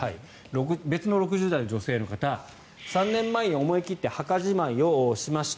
別の６０代女性の方３年前に思い切って墓じまいをしました。